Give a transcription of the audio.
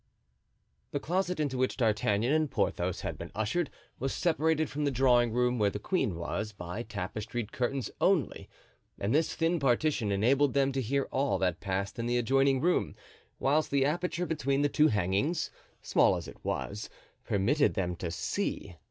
The closet into which D'Artagnan and Porthos had been ushered was separated from the drawing room where the queen was by tapestried curtains only, and this thin partition enabled them to hear all that passed in the adjoining room, whilst the aperture between the two hangings, small as it was, permitted them to see.